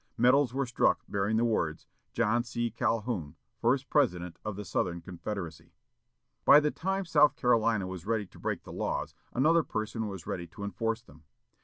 Medals were struck bearing the words, "John C. Calhoun, First President of the Southern Confederacy." By the time South Carolina was ready to break the laws, another person was ready to enforce them.